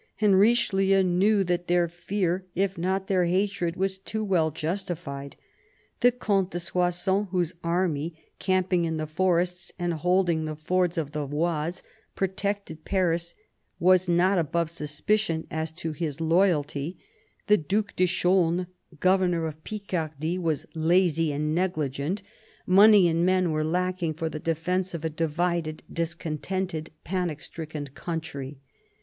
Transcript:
And Richelieu knew that their fear, if not their hatred, was too well justified. The Comte de Soissons, whose army, camping in the forests and holding the fords of the Oise, protected Paris, was not above suspicion as to his loyalty ; the Due de Chaulnes, governor of Picardy, THE CARDINAL 257 was lazy and negligent; money and men were lacking for the defence of a divided, discontented, panic stricken country.